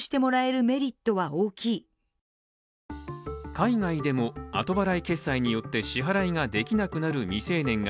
海外でも後払い決済によって支払いができなくなる未成年が